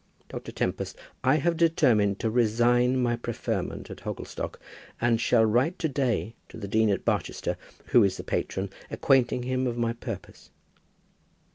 Dr. Tempest, I have determined to resign my preferment at Hogglestock, and shall write to day to the Dean of Barchester, who is the patron, acquainting him of my purpose."